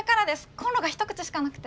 コンロが１口しかなくて。